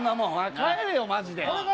帰れよマジで。